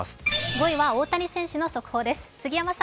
５位は、大谷選手の速報です。